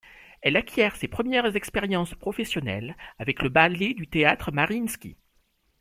Elle acquiert ses premières expériences professionnelles avec le ballet du Théâtre Mariinsky.